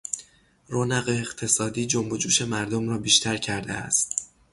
رونق اقتصادی جنب و جوش مردم را بیشتر کرده است.